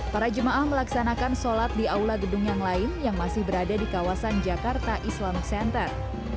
para jemaah melaksanakan sholat di aula gedung yang lain yang masih berada di kawasan jakarta islamic center